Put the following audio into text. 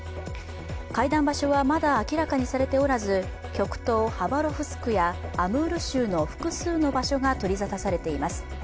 会談場所はまだ明らかにされておらず極東ハバロフスクやアムール州の複数の場所が取りざたされています。